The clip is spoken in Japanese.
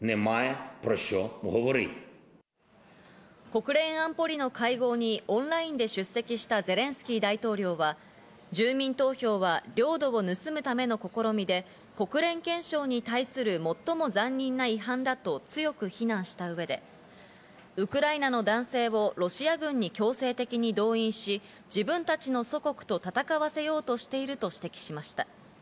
国連安保理の会合にオンラインで出席したゼレンスキー大統領は、住民投票は領土を盗むための試みで、国連憲章に対する最も残忍な違反だと強く非難した上で、ウクライナの男性をロシア軍に強制的に動員し、自分たちの祖国と戦わせようとしていると指摘しました。